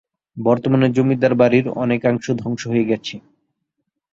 বর্তমানে জমিদার বাড়ির অনেকাংশ ধ্বংস হয়ে গেছে।